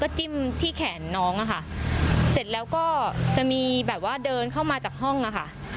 จิ้มที่แขนน้องอะค่ะเสร็จแล้วก็จะมีแบบว่าเดินเข้ามาจากห้องอะค่ะ